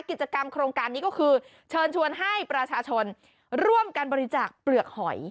กิจกรรมโครงการนี้ก็คือเชิญชวนให้ประชาชนร่วมกันบริจาคเปลือกหอย